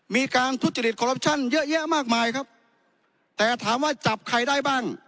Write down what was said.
มีการทุจริตคอรัปชั่นเยอะแยะมากมายครับแต่ถามว่าจับใครได้บ้าง